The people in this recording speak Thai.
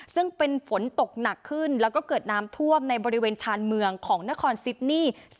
ซึ่งเป็นฝนตกหนักขึ้นแล้วก็เกิดน้ำท่วมในบริเวณชานเมืองของนครซิดนี่